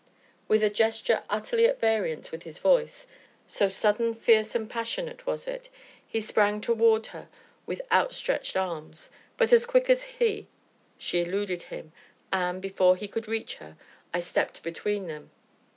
With a gesture utterly at variance with his voice, so sudden, fierce, and passionate was it, he sprang toward her with outstretched arms. But, quick as he, she eluded him, and, before he could reach her, I stepped between them.